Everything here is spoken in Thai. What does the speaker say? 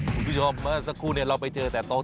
คุณผู้ชมเมื่อสักครู่เราไปเจอแต่โต๊ะ